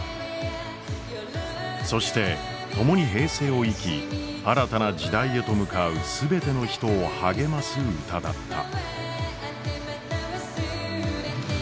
そして共に平成を生き新たな時代へと向かう全ての人を励ます歌だった。